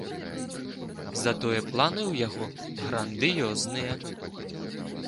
Затое планы ў яго грандыёзныя.